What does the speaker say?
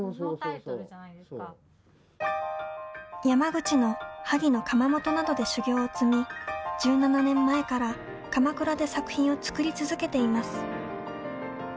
山口の萩の窯元などで修業を積み１７年前から鎌倉で作品を作り続けています。